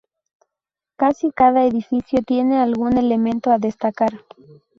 Casi cada edificio tiene algún elemento a destacar.